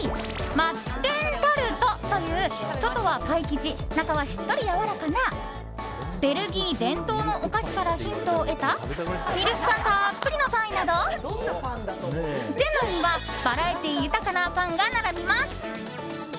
マッテンタルトという外はパイ生地中はしっとりやわらかなベルギー伝統のお菓子からヒントを得たミルク感たっぷりのパイなど店内にはバラエティー豊かなパンが並びます。